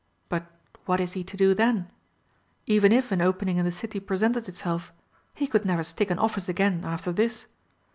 But what is he to do then? Even if an opening in the City presented itself, he could never stick an office again after this.